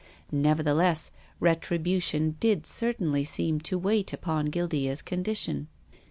Nevertheless, retribution did certainly seem to wait upon Guil dea's condition.